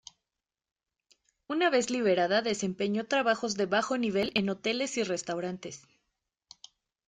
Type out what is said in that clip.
Una vez liberada, desempeñó trabajos de bajo nivel en hoteles y restaurantes.